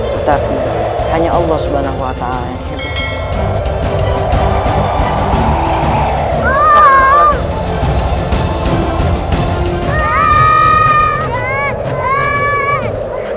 tetap hanya allah subhanahu wa ta'ala yang hebat